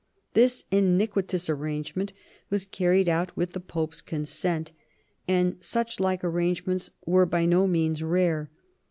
This iniquitous arrangement was carried out with the Pope's consent ; and such like arrangements were by no means rare.